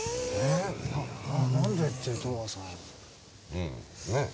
うんねえ。